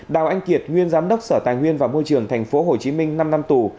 đào anh kiệt nguyên giám đốc sở tài nguyên và môi trường thành phố hồ chí minh năm năm tù